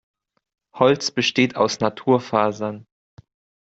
Holz besteht aus Naturfasern.